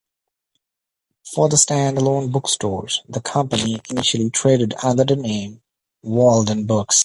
For the stand-alone bookstores, the company initially traded under the name "Walden Books".